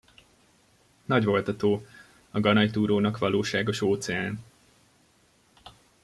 Nagy volt a tó, a ganajtúrónak valóságos óceán.